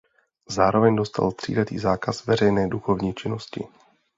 Zároveň dostal tříletý zákaz veřejné duchovní činnosti.